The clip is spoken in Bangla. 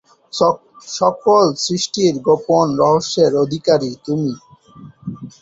সৃষ্টির সকল গোপন রহস্যের অধিকারী তুমি।